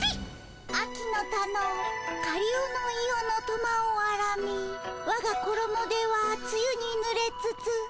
「秋の田のかりおのいおのとまをあらみわがころもではつゆにぬれつつ」。